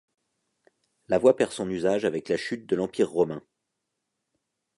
La voie perd son usage avec la chute de l'empire romain.